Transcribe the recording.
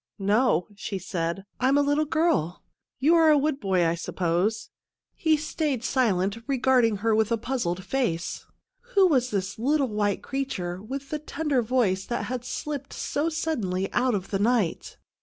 " No," she said, " I'm a little girl. You're a wood boy, I suppose ?" He stayed silent, regarding her with a puzzled face. Who was this little white creature with the tender voice that had slipped so suddenly out of the night